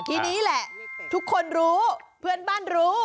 ทีนี้แหละทุกคนรู้เพื่อนบ้านรู้